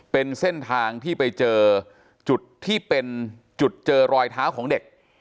เป็นเส้นทางที่ไปเจอจุดที่เป็นจุดเจอรอยเท้าของเด็ก